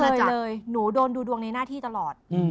ไม่เคยเลยหนูโดนดูดวงในหน้าที่ตลอด